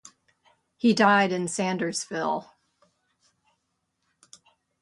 He died in Sandersville.